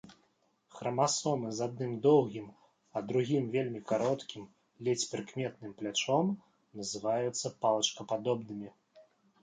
Храмасомы з адным доўгім, а другім вельмі кароткім, ледзь прыкметным плячом называюцца палачкападобнымі.